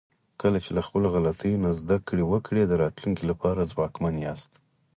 کله چې له خپلو غلطیو نه زده کړه وکړئ، د راتلونکي لپاره ځواکمن یاست.